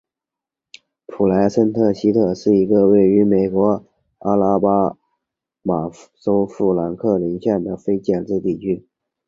普莱森特西特是一个位于美国阿拉巴马州富兰克林县的非建制地区。